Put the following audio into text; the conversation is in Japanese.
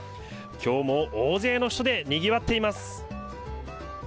きょうも大勢の人でにぎわっています。